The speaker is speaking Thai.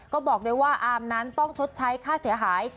ก็บอกด้วยว่าอามนั้นต้องชดใช้ค่าเสียหาย